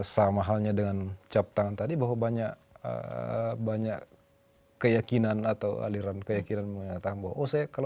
sama halnya dengan cap tangan tadi bahwa banyak keyakinan atau aliran keyakinan mengatakan bahwa oh saya